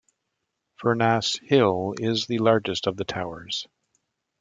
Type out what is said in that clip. Furnas Hill is the largest of the towers.